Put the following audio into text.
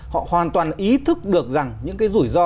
họ hoàn toàn ý thức được rằng những cái rủi ro